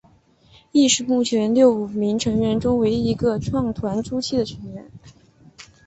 亦是目前六名成员中唯一一个创团初期的成员。